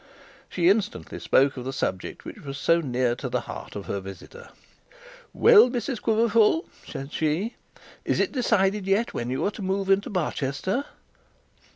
She instantly spoke of the subject which was so near the heart of her visitor. 'Well, Mrs Quiverful,' said she, 'is it decided yet when you are to move to Barchester?'